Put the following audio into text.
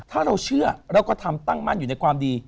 ถ้าเราเชื่อแล้วก็ทำตั้งมั่นอยู่ในความดี